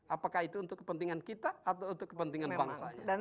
apakah itu untuk kepentingan kita